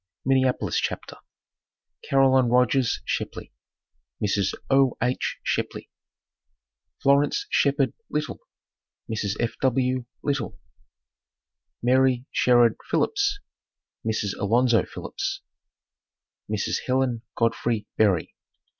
MINNEAPOLIS CHAPTER CAROLINE ROGERS SHEPLEY (Mrs. O. H. Shepley) FLORENCE SHEPHERD LITTLE (Mrs. F. W. Little) MARY SHERRARD PHILLIPS (Mrs. Alonzo Phillips) Mrs. Helen Godfrey Berry 1849.